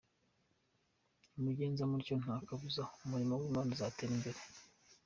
Nimugenza mutyo nta kabuza umurimo w’Imana uzatera imbere.